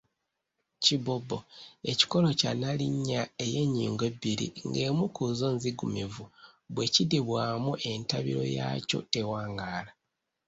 kibbobbo:Ekikolo kya nnalinnya ey’ennyingo ebbiri ng’emu ku zo nzigumivu, bwe kiddibwamu entabiro yaakyo tewangaala.